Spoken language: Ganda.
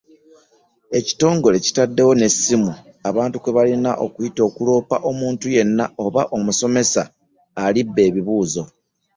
Ekitongole kitaddewo n’essimu abantu kwe balina okuyita okuloopa omuntu yenna oba essomero eribba ebibuuzo.